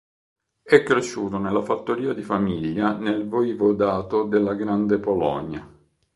È cresciuto nella fattoria di famiglia nel voivodato della Grande Polonia.